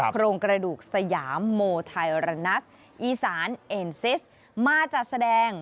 โครงกระดูกสยามโมไทรานัสอีสานเอ็นซิสมาจัดแสดง